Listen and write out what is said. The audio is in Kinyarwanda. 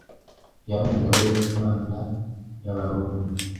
yari umugore w'Imana y'Abaroma